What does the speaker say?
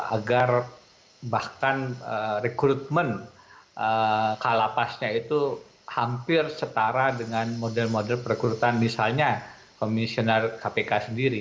agar bahkan rekrutmen kalapasnya itu hampir setara dengan model model perekrutan misalnya komisioner kpk sendiri